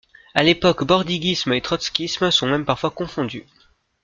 À l’époque bordiguisme et trotskysme sont même parfois confondus.